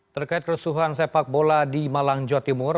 terkait kerusuhan sepak bola di malang jawa timur